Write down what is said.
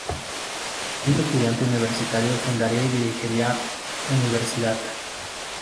Siendo estudiante universitario fundaría y dirigiría "Universidad".